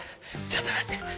ちょっと待って。